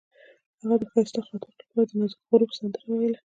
هغې د ښایسته خاطرو لپاره د نازک غروب سندره ویله.